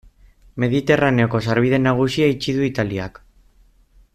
Mediterraneoko sarbide nagusia itxi du Italiak.